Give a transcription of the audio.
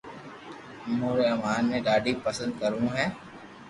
امو آپري مان ني ڌاڌي پسند ڪرو ھون